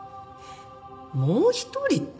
もう一人って？